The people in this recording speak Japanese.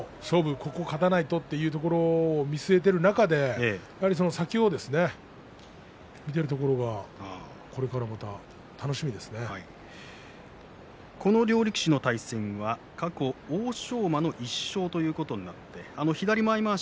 ここを勝たないとというところを見据えている中でその先を見るということがこの両力士の対戦過去、欧勝馬の１勝ということになっています。